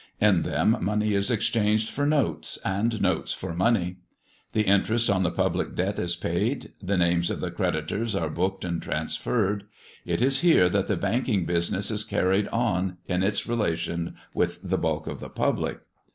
In them money is exchanged for notes, and notes for money; the interest on the public debt is paid; the names of the creditors are booked and transferred. It is here that the banking business is carried on in its relations with the bulk of the public.